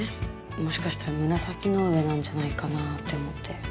もしかしたら紫の上なんじゃないかなって思って。